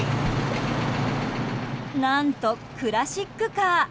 何とクラシックカー。